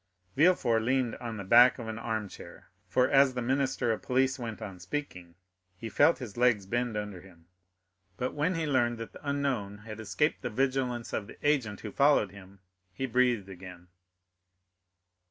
Villefort leaned on the back of an armchair, for as the minister of police went on speaking he felt his legs bend under him; but when he learned that the unknown had escaped the vigilance of the agent who followed him, he breathed again.